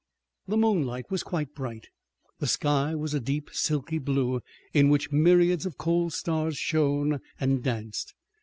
The moonlight was quite bright. The sky was a deep silky blue, in which myriads of cold stars shone and danced.